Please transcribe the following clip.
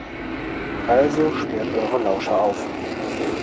Also sperrt eure Lauscher auf!